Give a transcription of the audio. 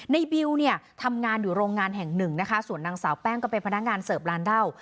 บิวเนี่ยทำงานอยู่โรงงานแห่งหนึ่งนะคะส่วนนางสาวแป้งก็เป็นพนักงานเสิร์ฟร้านเหล้า